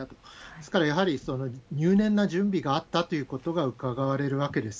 ですから、やはり入念な準備があったということがうかがわれるわけです。